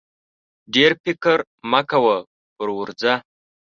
ډېر فکر مه کوه پر ورځه!